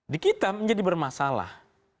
di kita menjadi bermasalah